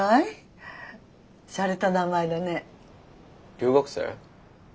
留学生？